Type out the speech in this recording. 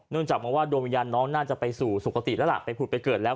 เนื่องจากมันว่าโดมยานน้องน่าจะไปสู่สุขติดแล้วล่ะไปผูดไปเกิดแล้ว